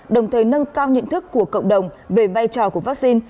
đồng thời nâng cao nhận thức của cộng đồng về vai trò của vaccine